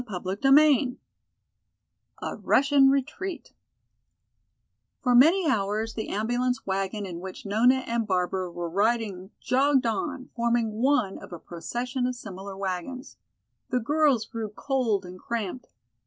CHAPTER XI A Russian Retreat For many hours the ambulance wagon in which Nona and Barbara were riding jogged on, forming one of a procession of similar wagons. The girls grew cold and cramped.